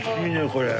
これ。